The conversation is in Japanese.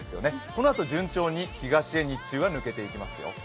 このあと順調に東へ、日中は抜けていきますよ。